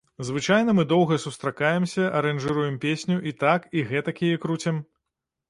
Звычайна мы доўга сустракаемся, аранжыруем песню, і так, і гэтак яе круцім.